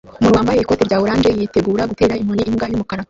Umuntu wambaye ikoti rya orange yitegura gutera inkoni imbwa yumukara